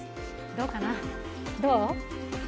どうかなどう？